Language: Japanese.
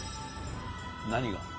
何が？